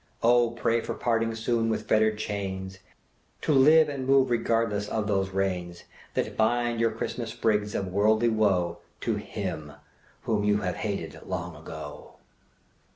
Oh! pray for parting soon with fettered chains, To live and move regardless of those reins That bind your Christmas sprigs of worldly woe To him, whom you have hated long ago."